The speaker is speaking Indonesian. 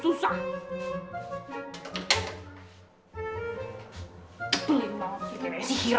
pelit banget si tipe sihir